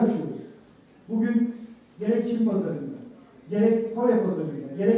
kita menempatkan di pazar japonya